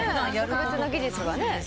特別な技術はね。